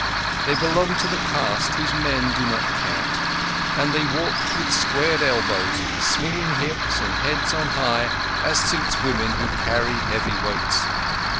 They belong to the caste whose men do not count, and they walked with squared elbows, swinging hips, and heads on high, as suits women who carry heavy weights.